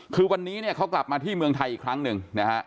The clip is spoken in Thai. คือวันนี้เขากลับมาที่เมืองไทยอีกครั้งหนึ่ง